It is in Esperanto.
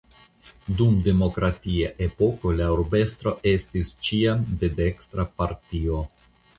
Dum demokratia epoko la urbestro estis ĉiam de dekstra partio.